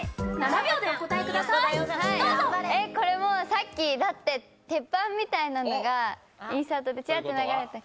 さっき、だって鉄板みたいなのがインサートでちょっと流れた。